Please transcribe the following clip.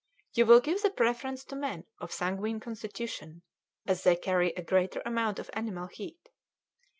You will give the preference to men of a sanguine constitution, as they carry a greater amount of animal heat.